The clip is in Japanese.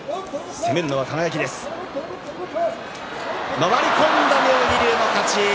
回り込んだ妙義龍の勝ち。